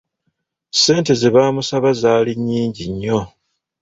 Ssente ze baamusaba zaali nyingi nnyo.